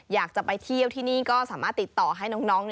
อยากจะไปเที่ยวที่นี่ก็สามารถติดต่อให้น้อง